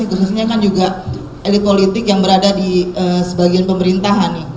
khususnya kan juga elit politik yang berada di sebagian pemerintahan